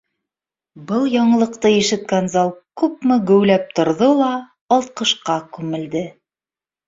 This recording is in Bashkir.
Был яңылыҡты ишеткән зал күпме геүләп торҙо ла алҡышҡа күмелде